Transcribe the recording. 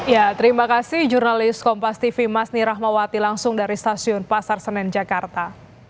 ya terima kasih jurnalis kompas tv masni rahmawati langsung dari stasiun pasar senen jakarta